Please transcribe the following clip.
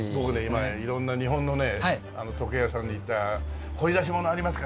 今ね色んな日本の時計屋さんに行ったら掘り出し物ありますか？